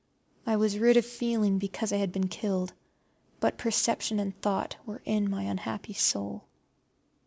I was rid of feeling, because I had been killed, but perception and thought were in my unhappy soul.